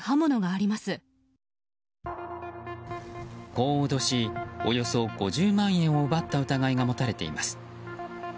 こう脅し、およそ５０万円を奪った疑いが持たれています。